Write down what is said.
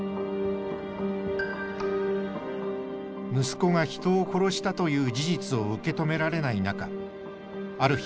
息子が人を殺したという事実を受け止められない中ある日